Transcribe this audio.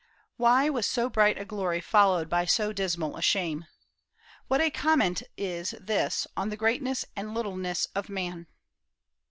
Why was so bright a glory followed by so dismal a shame? What a comment is this on the greatness and littleness of man!